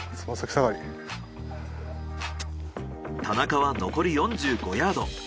田中は残り４５ヤード。